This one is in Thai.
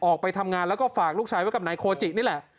ออกไปทำงานแล้วก็ฝากลูกชายไว้กับนายโคจินี่แหละ